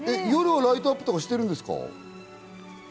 夜、ライトアップとかしてるんですか？